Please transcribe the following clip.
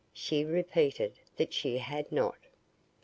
She repeated that she had not.